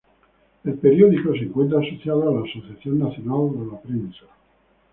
El periódico se encuentra asociado a la Asociación Nacional de la Prensa.